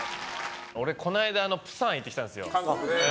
俺、この間釜山行ってきたんですよ。